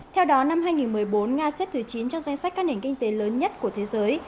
theo đó năm hai nghìn một mươi bốn nga xếp thứ chín trong danh sách các nền kinh tế lớn nhất của thế giới